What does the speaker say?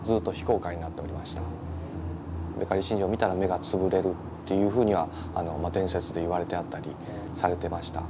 和布刈神事を見たら目が潰れるというふうには伝説で言われてあったりされてました。